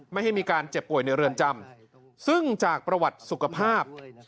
ไม่ให้มีการเจ็บป่วยในเรือนจำซึ่งจากประวัติสุขภาพ